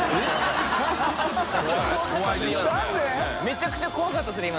めちゃくちゃ怖かったですね